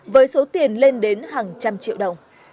với số tiền lên đến hàng trăm triệu đồng